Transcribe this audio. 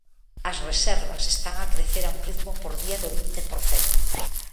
As reservas están a crecer a un ritmo por día do vinte por cento.